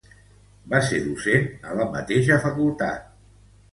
Va ser docent a la mateixa facultat.